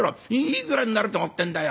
いくらになると思ってんだよ。